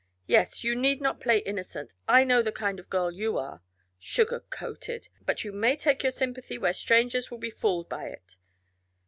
Yes, you need not play innocent. I know the kind of girl you are. 'Sugar coated!' But you may take your sympathy where strangers will be fooled by it.